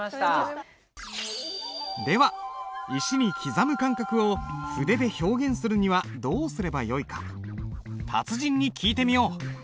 では石に刻む感覚を筆で表現するにはどうすればよいか達人に聞いてみよう。